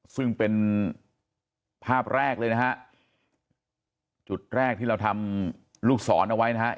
ซึ่งเป็นภาพแรกเลยนะฮะจุดแรกที่เราทำลูกศรเอาไว้นะฮะ